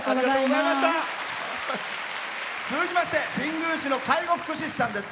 続きまして新宮市の介護士さんです。